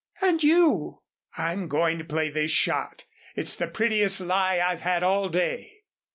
"And you?" "I'm going to play this shot. It's the prettiest lie I've had all day."